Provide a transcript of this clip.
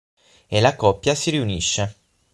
E la coppia si riunisce.